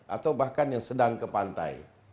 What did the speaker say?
atau bahkan yang sedang ke pantai